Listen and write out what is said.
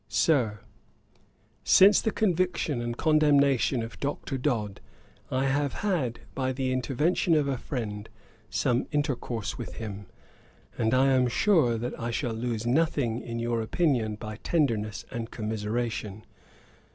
'SIR, 'Since the conviction and condemnation of Dr. Dodd, I have had, by the intervention of a friend, some intercourse with him, and I am sure I shall lose nothing in your opinion by tenderness and commiseration.